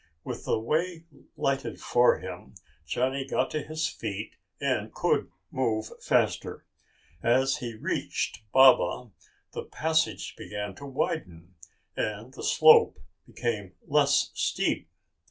With the way lighted for him, Johnny got to his feet and could move faster. As he reached Baba, the passage began to widen and the slope became less steep.